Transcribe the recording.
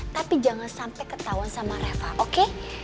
tapi jangan sampai ketahuan sama reva oke